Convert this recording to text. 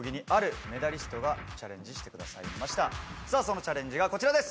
そのチャレンジがこちらです！